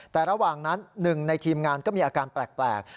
แต่ระหว่างนั้นหนึ่งในทีมงานก็มีอาการแปลก